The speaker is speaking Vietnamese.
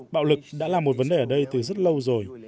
bạo lực đã là một vấn đề ở đây từ rất lâu rồi